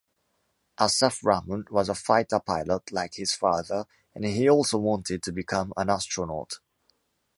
Assaf Ramon was a fighter pilot like his father, and he also wanted to become an astronaut.